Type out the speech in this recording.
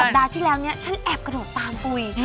ปัดที่แล้วเนี่ยฉันแอบกระโดดตามปุ๋ย